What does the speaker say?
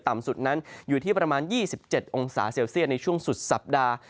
ต่ำสุดนั้นอยู่ที่ประมาณ๒๗องศาเซลเซียตในช่วงสุดสัปดาห์